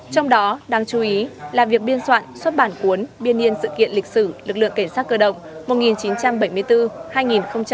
trong đó đáng chú ý là việc biên soạn xuất bản cuốn biên yên sự kiện lịch sử lực lượng cảnh sát cơ động một nghìn chín trăm bảy mươi bốn hai nghìn hai mươi bốn